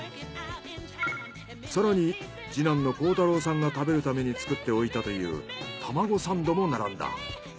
更に次男の耕太郎さんが食べるために作っておいたというたまごサンドも並んだ。